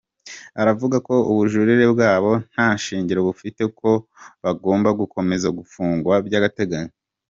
Aravuga ko ubujurire bwabo nta shingiro bufite ko bagomba gukomeza gufungwa by’agateganyo.